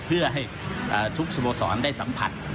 เพื่อให้ทุกสโมสรได้สัมผัส